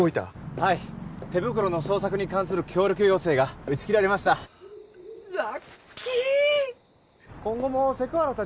はい手袋の捜索に関する協力要請が打ち切られましたラッキー！